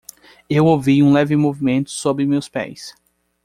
Eu ouvi um leve movimento sob meus pés.